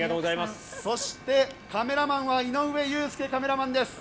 そして、カメラマンは井上祐介カメラマンです。